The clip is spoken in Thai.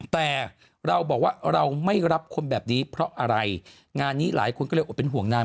แต่เราบอกว่าเราไม่รับคนแบบนี้เพราะอะไรงานนี้หลายคนก็เลยอดเป็นห่วงนาง